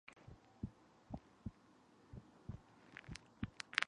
The original Russian title literally means "Star-face" or "The Star-Faced One".